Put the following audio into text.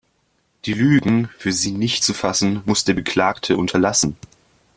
Die Lügen, für sie nicht zu fassen, muss der Beklagte unterlassen.